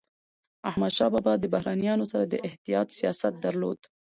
احمدشاه بابا د بهرنيانو سره د احتیاط سیاست درلود.